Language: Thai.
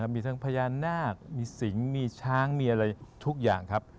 มีทั้งพญานาคมีสิงมีช้างมีอะไรทุกอย่างครับ